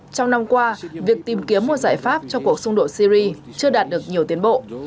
trong năm qua việc tìm kiếm một giải pháp cho cuộc xung đột syri chưa đạt được nhiều tiến bộ